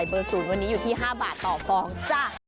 หมูเนื้อแดง๑๑๕บาทต่อกิโลกรัม